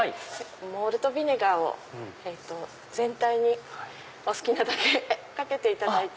モルトビネガーを全体にお好きなだけかけていただいて。